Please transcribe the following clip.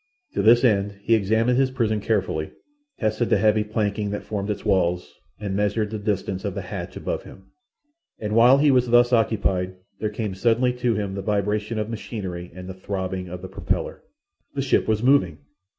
To this end he examined his prison carefully, tested the heavy planking that formed its walls, and measured the distance of the hatch above him. And while he was thus occupied there came suddenly to him the vibration of machinery and the throbbing of the propeller. The ship was moving!